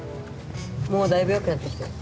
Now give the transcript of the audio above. もうだいぶよくなってきたよ。